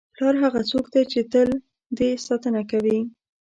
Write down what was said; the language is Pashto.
پلار هغه څوک دی چې تل دې ساتنه کوي.